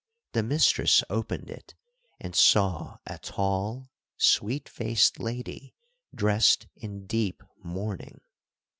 The mistress opened it, and saw a tall, sweet faced lady dressed in deep mourning.